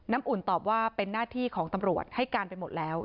อุ่นตอบว่าเป็นหน้าที่ของตำรวจให้การไปหมดแล้ว